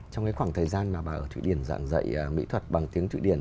trong cái khoảng thời gian mà bà ở thụy điển giảng dạy mỹ thuật bằng tiếng thụy điển